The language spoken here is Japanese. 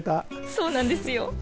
そうなんですよ。